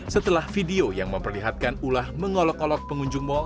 setelah video yang memperlihatkan ulah mengolok olok pengunjung mal